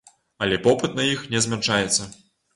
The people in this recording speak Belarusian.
Але попыт на іх не змяншаецца!